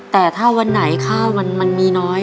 แต่ถ้าวันไหนข้าวมันมีน้อย